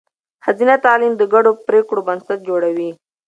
ښځینه تعلیم د ګډو پرېکړو بنسټ جوړوي.